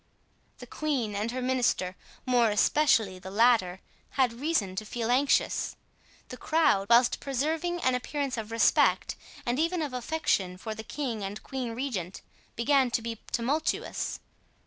The queen and her minister, more especially the latter, had reason to feel anxious. The crowd, whilst preserving an appearance of respect and even of affection for the king and queen regent, began to be tumultuous.